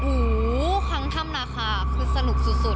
อู๋ครั้งทำนะคะคือสนุกสุด